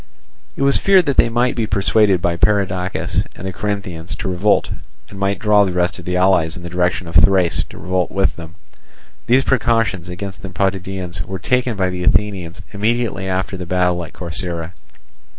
It was feared that they might be persuaded by Perdiccas and the Corinthians to revolt, and might draw the rest of the allies in the direction of Thrace to revolt with them. These precautions against the Potidæans were taken by the Athenians immediately after the battle at Corcyra.